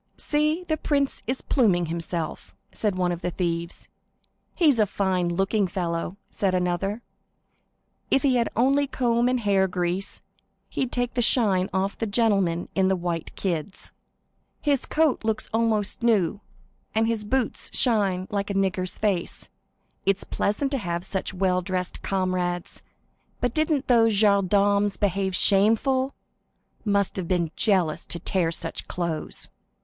"See, the prince is pluming himself," said one of the thieves. "He's a fine looking fellow," said another; "if he had only a comb and hair grease, he'd take the shine off the gentlemen in white kids." "His coat looks nearly new, and his boots are brilliant. It is pleasant to have such well dressed brethren; and those gendarmes behaved shamefully. What jealousy; to tear such clothes!"